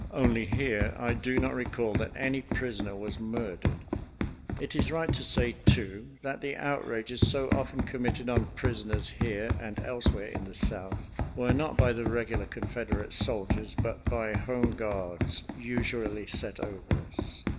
Only here I do not recall that any prisoner was murdered. It is right to say, too, that the outrages so often committed on prisoners here and elsewhere in the South were not by the regular Confederate soldiers, but by home guards usually set over us.